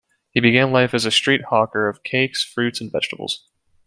He began life as a street hawker of cakes, fruits and vegetables.